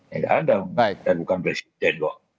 tidak ada kita bukan presiden kok